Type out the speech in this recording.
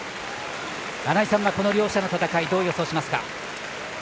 穴井さんはこの両者の戦いどう予想しますか。